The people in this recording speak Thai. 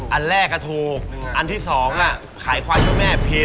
อันแรกอาถูกอันที่สองอะขายควายช่วยแม่ผิด